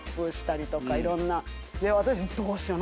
私どうしよう？